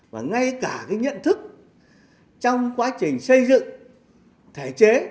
và ngay cả cái nhận thức trong quá trình xây dựng thể chế